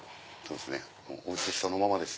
おうちそのままです。